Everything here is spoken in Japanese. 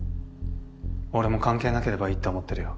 俺も関係なければいいって思ってるよ。